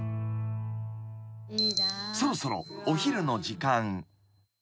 ［そろそろお昼の時間］